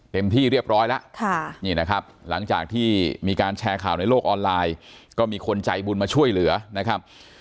เต็มที่เรียบร้อยล่ะ